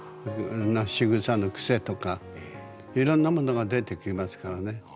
しぐさの癖とかいろんなものが出てきますからね。